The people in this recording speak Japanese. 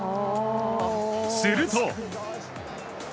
すると。